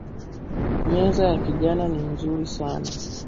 Meza ya kijana ni nzuri sana